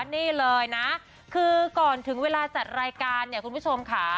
นี่เลยนะคือก่อนถึงเวลาจัดรายการเนี่ยคุณผู้ชมค่ะ